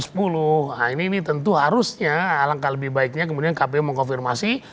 nah ini tentu harusnya alangkah lebih baiknya kemudian kpu mengkonfirmasi